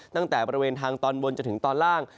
ตั้งแต่บริเวณทางตอนบนจนถึงตอนล่าง